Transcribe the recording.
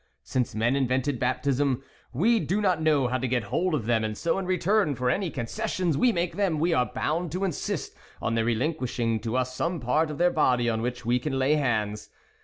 Since men invented baptism, we do not know how to get hold of them, and so, in return for any con cessions we make them, we are bound to insist on their relinquishing to us some part of their body on which we can lay hands.